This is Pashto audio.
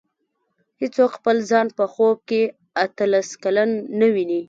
هېڅوک خپل ځان په خوب کې اته لس کلن نه ویني.